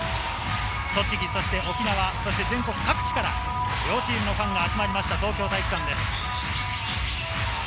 栃木、そして沖縄、全国各地から両チームのファンが集まりました、東京体育館です。